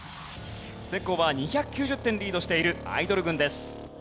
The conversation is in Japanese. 先攻は２９０点リードしているアイドル軍です。